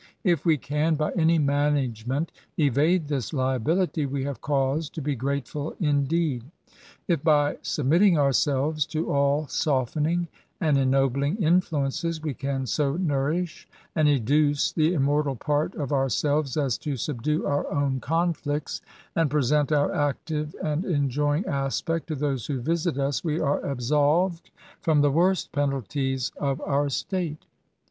If we can, by any management, evade this liability, we have cause to be grateful indeed. If, by submitting ourselves to all softening and ennobling influences, we can so nourish and educe the immortal part of our selves as to subdue our own conflicts, and present our active and enjoying aspect to those who visit us, we are absolved from the worst penalties of our state.